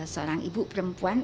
seorang ibu perempuan